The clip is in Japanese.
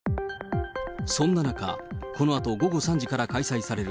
そんな中、このあと午後３時から開催される、